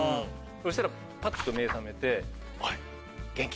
そしたらパッと目が覚めて「おい元気！